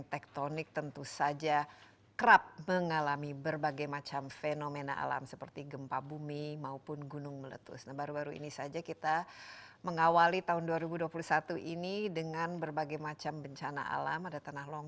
tentang enam fenomena tersebut